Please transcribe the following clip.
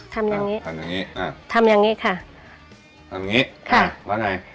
ทำอย่างงี้อ่าทำอย่างงี้ค่ะทำอย่างงี้ค่ะว่าไง